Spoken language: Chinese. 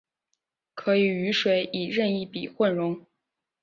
可以与水以任意比混溶。